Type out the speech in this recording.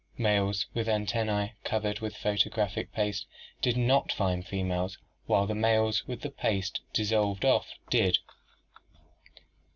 Males with antennas covered with photographic paste did not find females, while the same males with this paste dissolved off did.